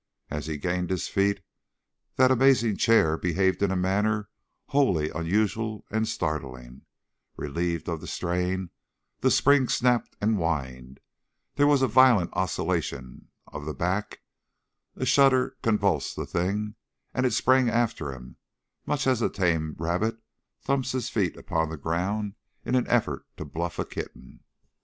As he gained his feet that amazing chair behaved in a manner wholly unusual and startling; relieved of strain, the springs snapped and whined, there was a violent oscillation of the back, a shudder convulsed the thing, and it sprang after him, much as a tame rabbit thumps its feet upon the ground in an effort to bluff a kitten.